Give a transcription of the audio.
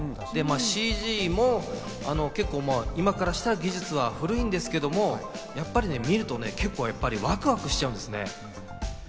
ＣＧも今からしたら技術は古いんですけど、やっぱり見ると結構ワクワクしちゃうんです。